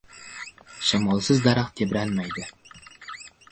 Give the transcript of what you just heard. • Shamolsiz daraxt tebranmaydi.